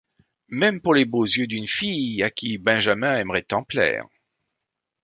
Même pour les beaux yeux d'une fille à qui Benjamin aimerait tant plaire.